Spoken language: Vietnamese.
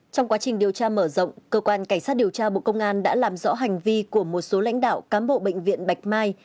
trong quá trình điều tra mở rộng cơ quan cảnh sát điều tra bộ công an đã làm rõ hành vi của một số lãnh đạo cám bộ bệnh viện bạch mai